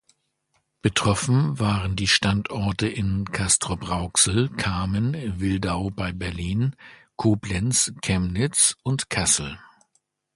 Betroffen waren die Standorte in Castrop-Rauxel, Kamen, Wildau bei Berlin, Koblenz, Chemnitz und Kassel.